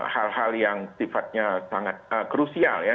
hal hal yang sifatnya sangat krusial ya